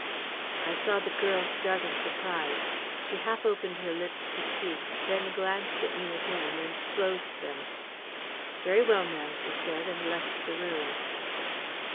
I saw the girl's start of surprise; she half opened her lips to speak, then glanced at me again and closed them. "Very well, ma'am," she said, and left the room.